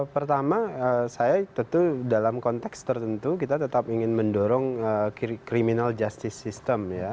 pertama saya tentu dalam konteks tertentu kita tetap ingin mendorong criminal justice system ya